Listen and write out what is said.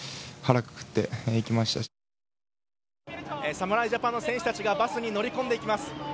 侍ジャパンの選手たちがバスに乗り込んでいきます。